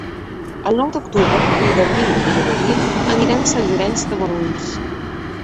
El nou d'octubre en Garbí i na Maria aniran a Sant Llorenç de Morunys.